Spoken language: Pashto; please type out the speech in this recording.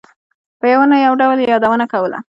په یوه نه یو ډول یې یادونه کوله.